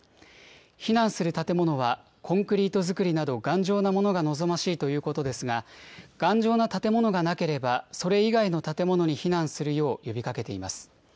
避難する建物はコンクリート造りなど、頑丈なものが望ましいということですが、頑丈な建物がなければ、それ以外の建物に避難するよう呼びかけています。